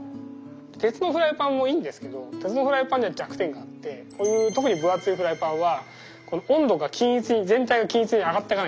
鉄のフライパンもいいんですけど鉄のフライパンには弱点があってこういう特に分厚いフライパンはこの温度が均一に全体が均一に上がってかないんですよ。